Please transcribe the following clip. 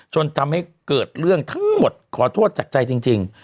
จนทำให้เกิดเรื่องทั้งหมดขอโทษจากใจจริง